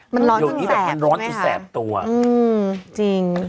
มันร้อนต้องแสบไหมคะจริง